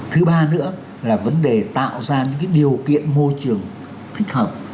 thứ ba nữa là vấn đề tạo ra những điều kiện môi trường thích hợp